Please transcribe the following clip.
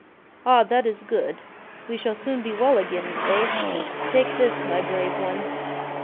"Ah, that is good! We shall soon be well again, eh? Take this, my brave one!"